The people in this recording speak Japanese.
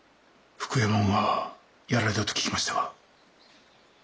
福右衛門がやられたと聞きましたが。